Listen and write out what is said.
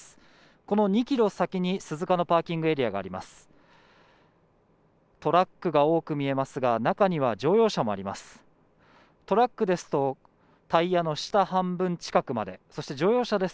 この２キロ先に鈴鹿のパーキングエリアがあります。